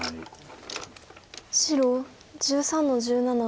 白１３の十七。